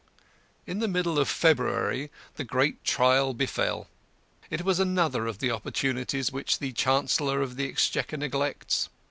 In the middle of February, the great trial befell. It was another of the opportunities which the Chancellor of the Exchequer neglects.